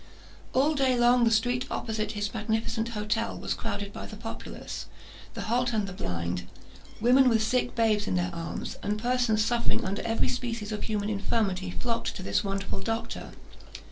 All day long the street opposite his magnificent hotel was crowded by the populace; the halt and the blind, women with sick babes in their arms, and persons suffering under every species of human infirmity, flocked to this wonderful doctor.